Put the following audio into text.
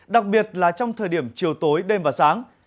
đặc biệt là trong thời điểm chiều tối đêm và sáng